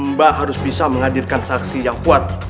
mbak harus bisa menghadirkan saksi yang kuat